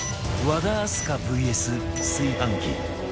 和田明日香 ＶＳ 炊飯器